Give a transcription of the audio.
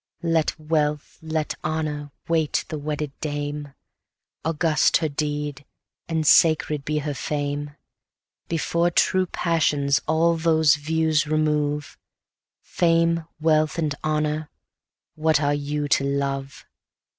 Let wealth, let honour, wait the wedded dame, August her deed, and sacred be her fame; 80 Before true passion all those views remove; Fame, wealth, and honour! what are you to Love?